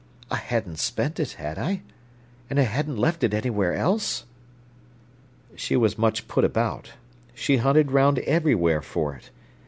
I hadn't spent it, had I? And I hadn't left it anywhere else?" She was much put about. She hunted round everywhere for it.